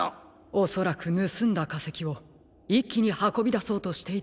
おそらくぬすんだかせきをいっきにはこびだそうとしていたのでしょう。